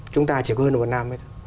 chúng ta chỉ có hơn một năm thôi